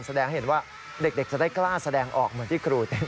แสดงให้เห็นว่าเด็กจะได้กล้าแสดงออกเหมือนที่ครูเต้น